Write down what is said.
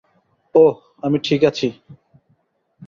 ওহ, আমি ঠিক আছি।